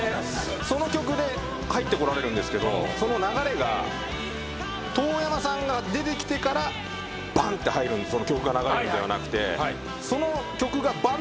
その曲で入ってこられるんですけどその流れが遠山さんが出てきてから曲が流れるんではなくて。